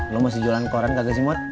lo masih jualan koran kagak sih mod